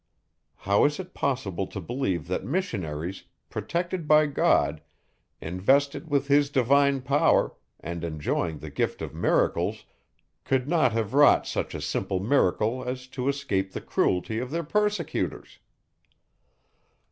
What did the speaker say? How is it possible to believe, that missionaries, protected by God, invested with his divine power, and enjoying the gift of miracles, could not have wrought such a simple miracle, as to escape the cruelty of their persecutors?